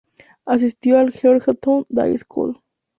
Asistió al Georgetown Day School.